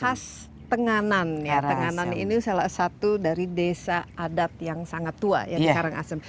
khas tenganan ya tenganan ini salah satu dari desa adat yang sangat tua ya di karangasem